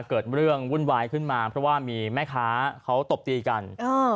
เกิดเรื่องวุ่นวายขึ้นมาเพราะว่ามีแม่ค้าเขาตบตีกันเออ